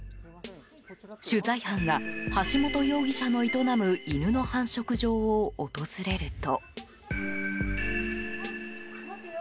取材班が橋本容疑者の営む犬の繁殖場を訪れると。